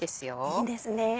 いいですね。